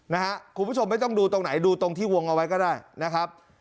คุณผู้ชมไม่ต้องดูตรงไหนดูตรงที่วงเอาไว้ก็ได้นะครับ